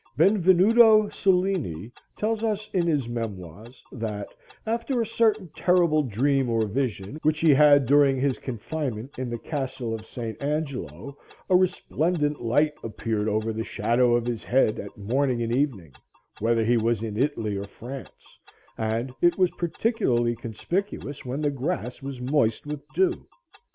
Benvenuto Cellini tells us in his memoirs, that, after a certain terrible dream or vision which he had during his confinement in the castle of St. Angelo, a resplendent light appeared over the shadow of his head at morning and evening, whether he was in Italy or France, and it was particularly conspicuous when the grass was moist with dew.